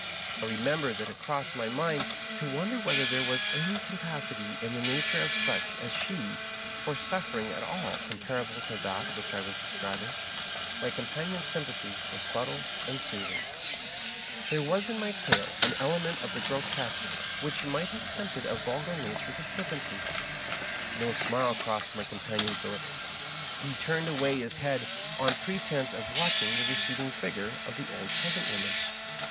I re member that it crossed my mind to wonder whether there was any capacity in the nature of such as she for suffering at all comparable to that which I was describ ing. My companion's sympathy was subtle and soothing. There was in my tale an element of the grotesque which Digitized by VjOOQIC 142 ^Y FASCINATING FRIEND. might have tempted a ynlgar nature to flippancy. Ko smile crossed m j companion's lips. He tnmed away his head, on pretense of watching the receding figm:e of the old peasant woman.